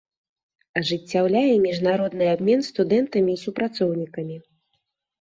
Ажыццяўляе міжнародны абмен студэнтамі і супрацоўнікамі.